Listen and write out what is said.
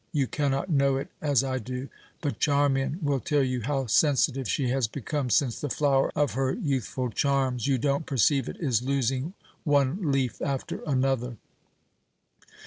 You cannot know it as I do; but Charmian will tell you how sensitive she has become since the flower of her youthful charms you don't perceive it is losing one leaf after another.